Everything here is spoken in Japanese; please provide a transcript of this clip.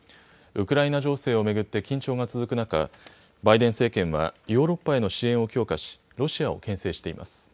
ウクライナ情勢を巡って緊張が続く中、バイデン政権はヨーロッパへの支援を強化し、ロシアをけん制しています。